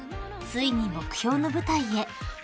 ［ついに目標の舞台へ］